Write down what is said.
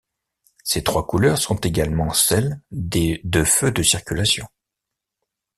Ces trois couleurs sont également celles de feux de circulation.